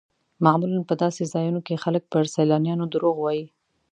معمولا په داسې ځایونو کې خلک پر سیلانیانو دروغ وایي.